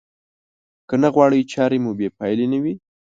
که نه غواړئ چارې مو بې پايلې نه وي.